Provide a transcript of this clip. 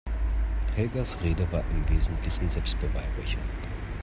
Helgas Rede war im Wesentlichen Selbstbeweihräucherung.